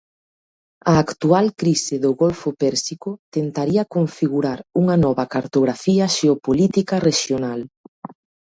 A actual crise do Golfo Pérsico tentaría configurar unha nova cartografía xeopolítica rexional.